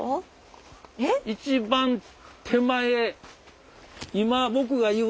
一番手前。